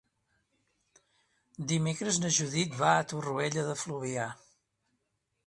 Dimecres na Judit va a Torroella de Fluvià.